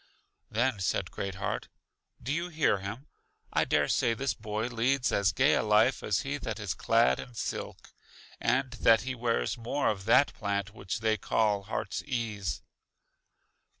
Then said Great heart: Do you hear him? I dare say this boy leads as gay a life as he that is clad in silk, and that he wears more of that plant which they call heart's ease.